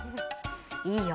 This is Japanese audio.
いいよ。